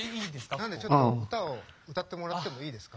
なのでちょっと歌を歌ってもらってもいいですか？